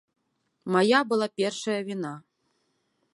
Мая была першая віна.